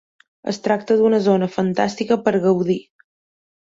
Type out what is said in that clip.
Es tracta d’una zona fantàstica per gaudir.